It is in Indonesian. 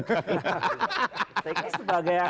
saya kayak sebagai anggota